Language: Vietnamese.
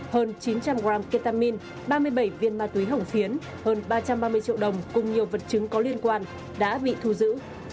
hơn chín trăm linh g ketamine ba mươi bảy viên ma túy hồng phiến hơn ba trăm ba mươi triệu đồng cùng nhiều vật chứng có liên quan đã bị thu giữ